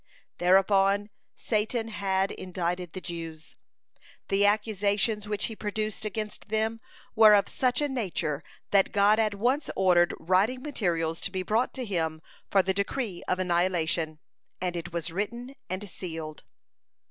Thereupon Satan had indicted the Jews. The accusations which he produced against them were of such a nature that God at once ordered writing materials to be brought to Him for the decree of annihilation, and it was written and sealed.